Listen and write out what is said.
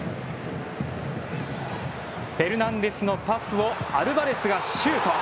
フェルナンデスのパスをアルバレスがシュート。